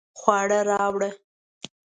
خواړه راوړه